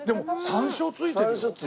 山椒付いてる。